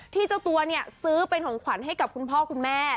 เจ้าตัวเนี่ยซื้อเป็นของขวัญให้กับคุณพ่อคุณแม่